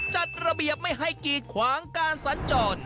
จัดระเบียบไม่ให้กีดขวางการสัญจร